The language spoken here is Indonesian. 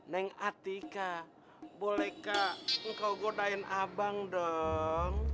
neng atika bolehkah engkau godain abang dong